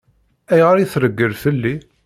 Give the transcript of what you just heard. Ayɣer i treggel fell-i?